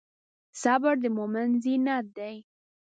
صبر د مؤمن زینت دی.